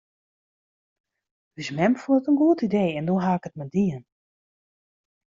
Us mem fûn it in goed idee en doe haw ik it mar dien.